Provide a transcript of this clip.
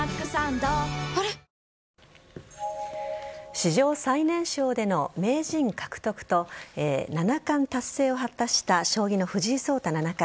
史上最年少での名人獲得と七冠達成を果たした将棋の藤井聡太七冠。